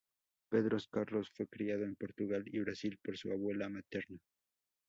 Pedro Carlos fue criado en Portugal y Brasil por su abuela materna.